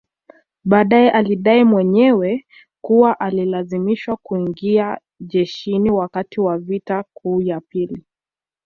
Baadae alidai mwenyewe kuwa alilazimishwa kuingia jeshini wakati wa vita kuu ya pili